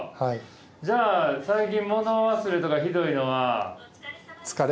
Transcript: じゃあ最近物忘れとかひどいのは。